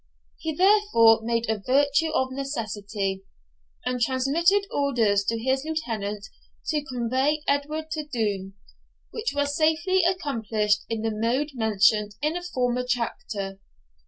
He therefore made a virtue of necessity, and transmitted orders to his lieutenant to convey Edward to Doune, which was safely accomplished in the mode mentioned in a former chapter.